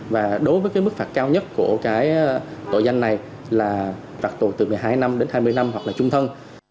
và đối với mức phạt cao nhất của tội danh này là phạt tù từ một mươi hai năm đến hai mươi năm hoặc là trùng thân